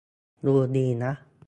ดูดีนะ